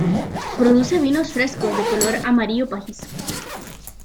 Produce vinos frescos de color amarillo pajizo.